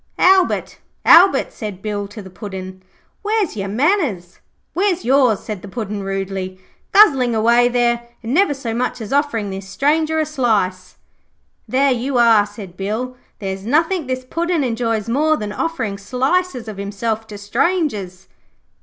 'Albert, Albert,' said Bill to the Puddin', 'where's your manners?' 'Where's yours?' said the Puddin' rudely, 'guzzling away there, and never so much as offering this stranger a slice.' 'There you are,' said Bill. 'There's nothing this Puddin' enjoys more than offering slices of himself to strangers.'